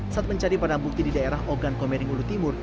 saat mencari barang bukti di daerah ogan komering ulu timur